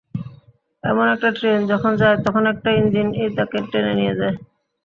যেমন একটা ট্রেন যখন যায়, তখন একটা ইঞ্জিনই তাকে টেনে নিয়ে যায়।